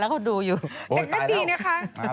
แต่ก็ดีแล้ว